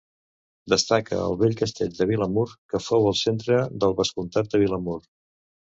Destaca el vell castell de Vilamur, que fou el centre del Vescomtat de Vilamur.